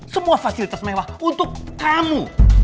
semua fasilitas mewah untuk tamu